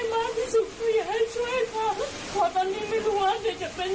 ถ้ามีหน่วยงานได้นี่ส่วนได้มาพี่สุขุยให้ช่วยค่ะ